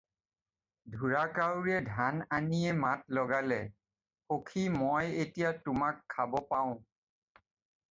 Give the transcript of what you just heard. "ঢোঁৰাকাউৰীয়ে ধান আনিয়েই মাত লগালে- "সখি মই এতিয়া তোমাক খাব পাওঁ।"